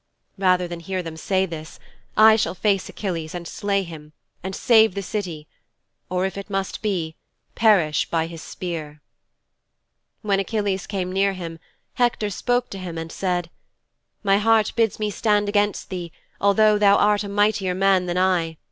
Rather than hear them say this I shall face Achilles and slay him and save the City, or, if it must be, perish by his spear."' 'When Achilles came near him Hector spoke to him and said "My heart bids me stand against thee although thou art a mightier man than I.